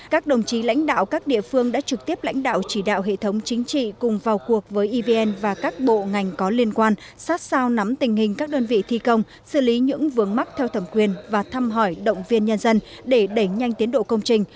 các đồng chí lãnh đạo các địa phương đã trực tiếp lãnh đạo chỉ đạo hệ thống chính trị cùng vào cuộc với evn và các bộ ngành có liên quan sát sao nắm tình hình các đơn vị thi công xử lý những vướng mắc theo thẩm quyền và thăm hỏi động viên nhân dân để đẩy nhanh tiến độ công trình